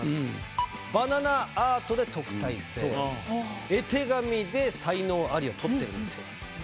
バナナアートで特待生絵手紙で才能アリを取ってるんですよ。